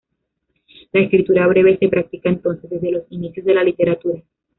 La escritura breve se practica, entonces, desde los inicios de la literatura.